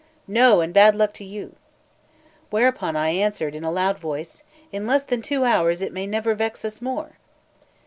"No, and bad luck to you." Whereto I answered in a loud voice: "In less than two hours may it never vex us more!"